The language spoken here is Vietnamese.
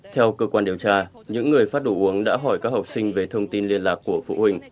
theo cơ quan điều tra những người phát đồ uống đã hỏi các học sinh về thông tin liên lạc của phụ huynh